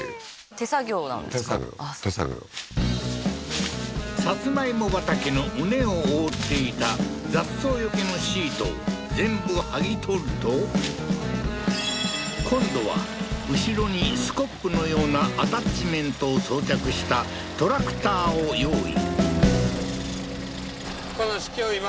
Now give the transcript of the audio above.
手作業手作業さつまいも畑の畝を覆っていた雑草よけのシートを全部剥ぎ取ると今度は後ろにスコップのようなアタッチメントを装着したトラクターを用意